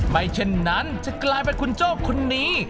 ไม่เช่นนั้นจะกลายเป็นคุณโจ้คนนี้